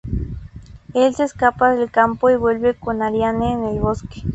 Él se escapa del campo y vuelve con Arianne en el bosque.